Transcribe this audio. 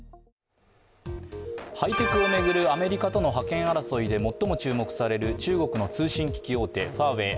ハイテクを巡るアメリカとの覇権争いで最も注目される中国の通信機器大手ファーウェイ。